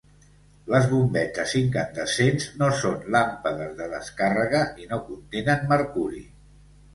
Les bombetes incandescents no són làmpades de descàrrega i no contenen mercuri.